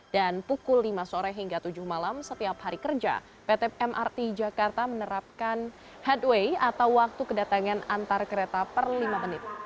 dan pukul lima sore hingga tujuh malam setiap hari kerja pt mrt jakarta menerapkan headway atau waktu kedatangan antar kereta per lima menit